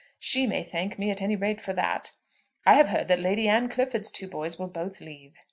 She may thank me at any rate for that. I have heard that Lady Anne Clifford's two boys will both leave."